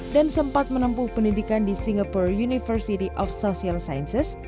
dan sempat menempuh pendidikan di singapore university of social sciences